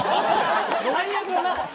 最悪だな！